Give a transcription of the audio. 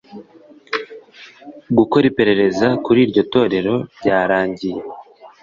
gukora iperereza kuri iryotorero byarangiye